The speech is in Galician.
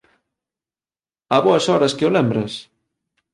A boas horas que o lembras!